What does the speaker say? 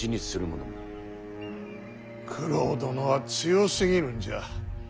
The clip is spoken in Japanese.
九郎殿は強すぎるんじゃ。